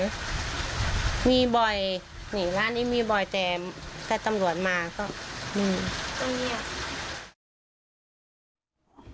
มีบ่อยนี่ร้านนี้มีบ่อยแต่ถ้าตำรวจมาก็มีตรงนี้